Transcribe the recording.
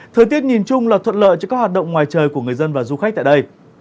thời tiết nhìn chung là thuận lợi cho các hoạt động ngoài trời của người dân và du khách tại đây